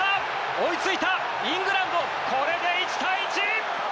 追いついたイングランドこれで１対１！